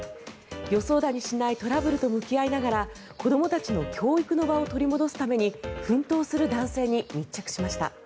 予想だにしないトラブルと向き合いながら子どもたちの教育の場を取り戻すために奮闘する男性に密着しました。